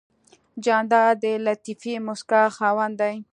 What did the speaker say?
جانداد د لطیفې موسکا خاوند دی.